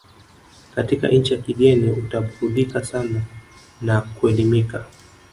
katika nchi ya kigeni utaburudika sana na kuelimika